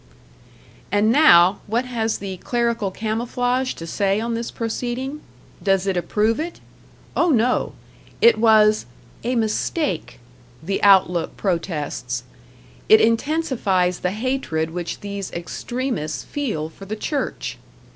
And now, what has the clerical camouflage to say on this proceeding? Does it approve it? Oh no! It was "a mistake", the "Outlook" protests; it intensifies the hatred which these extremists feel for the church.